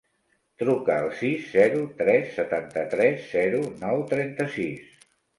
Truca al sis, zero, tres, setanta-tres, zero, nou, trenta-sis.